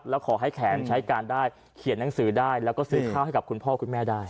แล้วขอให้แขนใช้การได้เขียนหนังสือได้แล้วก็ซื้อข้าวให้กับคุณพ่อคุณแม่ได้